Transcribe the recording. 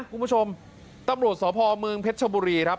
คุณผู้ชมตำรวจสพเมืองเพชรชบุรีครับ